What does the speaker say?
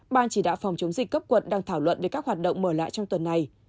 ban chỉ đạo phòng chống dịch cấp quận đang thảo luận về các hoạt động mở lại trong tuần này